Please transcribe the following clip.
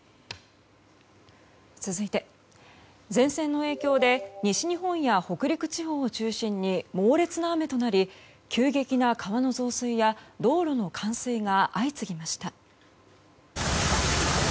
続いて、前線の影響で西日本や北陸地方を中心に猛烈な雨となり急激な川の増水や道路の冠水が相次ぎました。